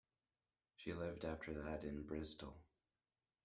She lived after that in Bristol.